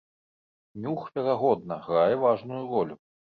Нюх, верагодна, грае важную ролю.